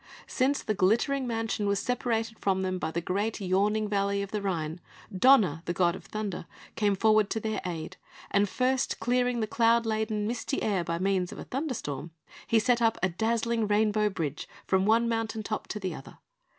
Since the glittering mansion was separated from them by the great yawning valley of the Rhine, Donner, the god of Thunder, came forward to their aid; and first clearing the cloud laden, misty air by means of a thunderstorm, he set up a dazzling rainbow bridge from one mountain top to the other.